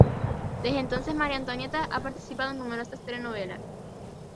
Desde entonces María Antonieta ha participado en numerosas telenovelas.